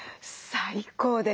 最高です。